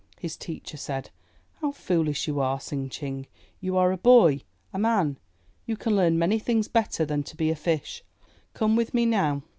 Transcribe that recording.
His teacher said, How foolish you are, Tsing Ching; you are a boy, a man. You can learn many things better than to be a fish. Come with me now."